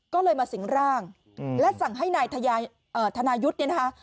ก็เลยมาสิงร่างและสั่งให้นายธนายุทธ์เนี่ยนะคะ